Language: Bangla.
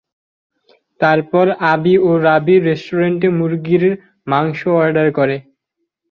তারপর আবি ও রাবি রেস্টুরেন্টে মুরগির মাংস অর্ডার করে।